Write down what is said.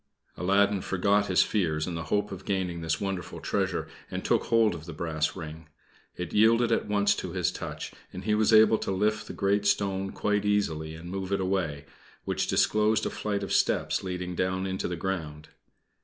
Aladdin forgot his fears in the hope of gaining this wonderful treasure, and took hold of the brass ring. It yielded at once to his touch, and he was able to lift the great stone quite easily and move it away, which disclosed a flight of steps, leading down into the ground.